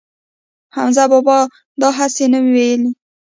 حمزه بابا دا هسې نه وييل